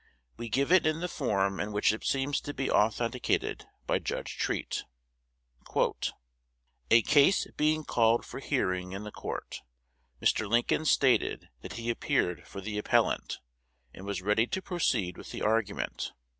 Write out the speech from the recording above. We give it in the form in which it seems to be authenticated by Judge Treat: "A case being called for hearing in the Court, Mr. Lincoln stated that he appeared for the appellant, and was ready to proceed with the argument.